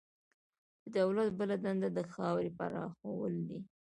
د دولت بله دنده د خاورې پراخول وو.